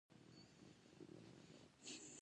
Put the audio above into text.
خو دغه پاڅون په پایله کې مات شو.